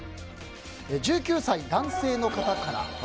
１９歳男性の方から。